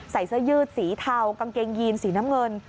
ใส่เสื้อยืดสีเทากางเกงยีนสีน้ำเงิน